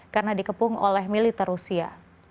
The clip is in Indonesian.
karena dikepung oleh militer rusia